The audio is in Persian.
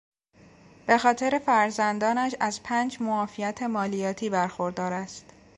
به خاطر فرزندانش از پنج معافیت مالیاتی برخوردار است.